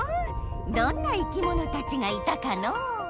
どんな生きものたちがいたかのう？